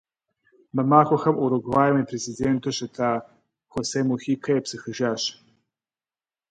Мы махуэхэм Уругваим и президенту щыта Хосе Мухикэ епсыхыжащ.